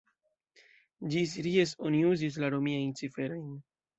Ĝis Ries oni uzis la romiajn ciferojn.